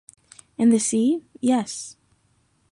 In the sea, yes.